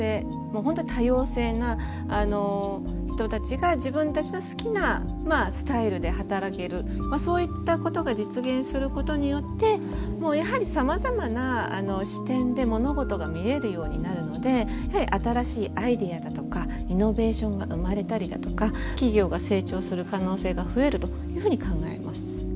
もう本当に多様性な人たちが自分たちの好きなスタイルで働けるそういったことが実現することによってやはりさまざまな視点で物事が見えるようになるので新しいアイデアだとかイノベーションが生まれたりだとか企業が成長する可能性が増えるというふうに考えます。